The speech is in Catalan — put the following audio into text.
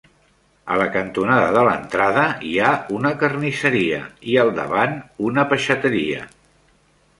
A la cantonada de l'entrada hi ha una carnisseria i al davant una peixateria.